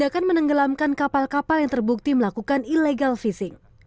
aksi nyentrik ini menggelamkan kapal kapal yang terbukti melakukan illegal fishing